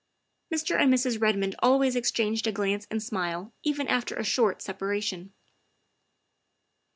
Mr. and Mrs. Red mond always exchanged a glance and smile even after a short separation.